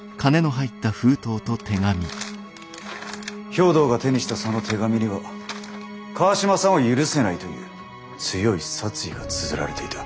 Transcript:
兵藤が手にしたその手紙には川島さんを許せないという強い殺意がつづられていた。